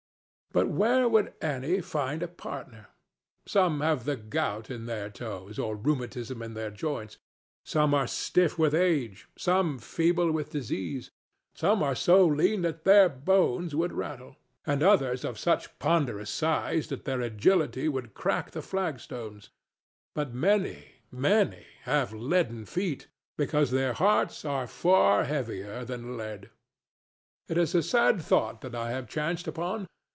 But where would Annie find a partner? Some have the gout in their toes or the rheumatism in their joints; some are stiff with age, some feeble with disease; some are so lean that their bones would rattle, and others of such ponderous size that their agility would crack the flagstones; but many, many have leaden feet because their hearts are far heavier than lead. It is a sad thought that I have chanced upon.